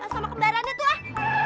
sama kembarannya tuh ah